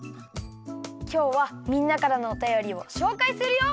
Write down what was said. きょうはみんなからのおたよりをしょうかいするよ！